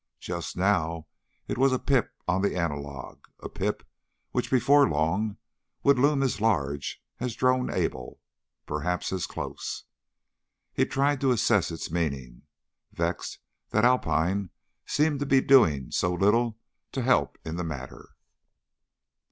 Just now it was a pip on the analog, a pip which before long would loom as large as Drone Able, perhaps as close. He tried to assess its meaning, vexed that Alpine seemed to be doing so little to help in the matter.